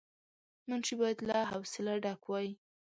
منشي باید له حوصله ډک وای.